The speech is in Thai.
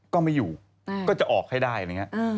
ก็ไม่อยู่ก็จะออกให้ได้